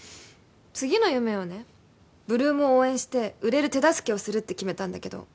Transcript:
次の夢をね８ＬＯＯＭを応援して売れる手助けをするって決めたんだけど